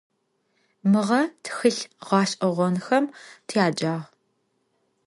Mığe txılh ğeş'eğonxem tyacağ.